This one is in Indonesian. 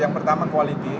yang pertama quality